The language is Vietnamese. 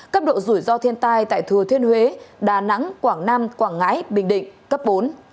cấp độ rủi ro thiên tai tại thừa thiên huế đà nẵng quảng nam quảng ngãi bình định cấp bốn